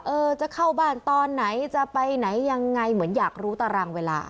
เออจะเข้าบ้านตอนไหนจะไปไหนยังไงเหมือนอยากรู้ตารางเวลา